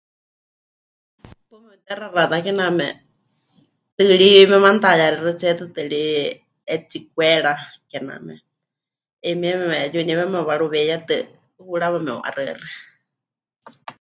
Paɨ mepɨtexaxatá kename tɨɨrí memanutayaxixɨtsie tɨtɨ ri 'etsikwera kename, 'ayumieme yuniwéma mewaruweiyatɨ hurawa meu'axɨaxɨa.